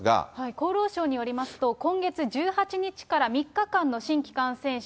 厚労省によりますと、今月１８日から３日間の新規感染者